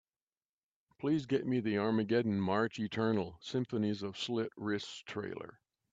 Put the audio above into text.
Please get me the Armageddon March Eternal – Symphonies of Slit Wrists trailer.